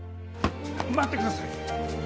待ってください！